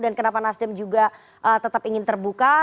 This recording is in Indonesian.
dan kenapa nasdem juga tetap ingin terbuka